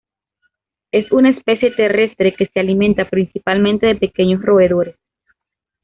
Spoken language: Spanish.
Es una especie terrestre que se alimenta principalmente de pequeños roedores.